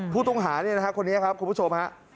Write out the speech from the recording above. ผู้ตรงหาร้านคนนี้ครับคุณผู้ชม